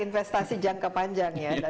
investasi jangka panjang ya